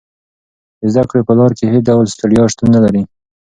د زده کړې په لار کې هېڅ ډول ستړیا شتون نه لري.